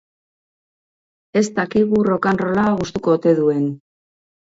Ez dakigu rockanrolla gustuko ote duen.